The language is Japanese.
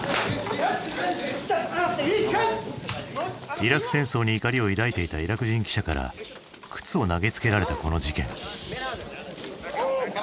イラク戦争に怒りを抱いていたイラク人記者から靴を投げつけられたこの事件。